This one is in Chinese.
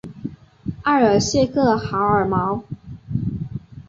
埃尔谢克豪尔毛。